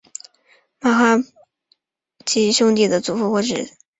马哈茂德帕夏及其兄弟的祖父是或者。